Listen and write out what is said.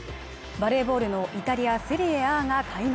バレーボールのイタリア・セリエＡが開幕